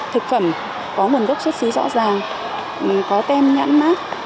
thực phẩm có nguồn gốc xuất xứ rõ ràng có tem nhãn mát